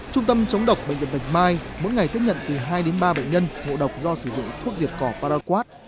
trung tâm chống độc bệnh viện bạch mai mỗi ngày tiếp nhận từ hai đến ba bệnh nhân ngộ độc do sử dụng thuốc diệt cỏ paraquad